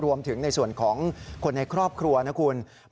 รวมถึงในส่วนของคนในครอบครัวนะคุณ